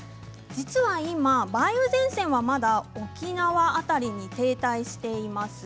今、梅雨前線はまだ沖縄辺りに停滞しています。